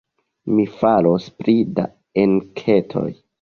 Mi faros pli da enketoj.